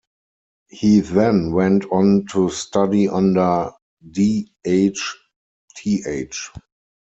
He then went on to study under D. H. Th.